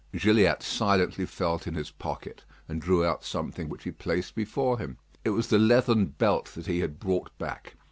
Gilliatt silently felt in his pocket, and drew out something which he placed before him. It was the leathern belt that he had brought back.